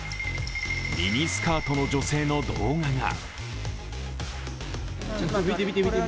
ミニスカートの女性の動画が。